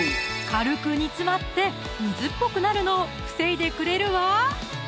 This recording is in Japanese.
軽く煮詰まって水っぽくなるのを防いでくれるわ！